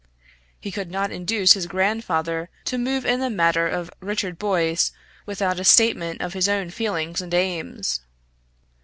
He could not induce his grandfather to move in the matter of Richard Boyce without a statement of his own feelings and aims.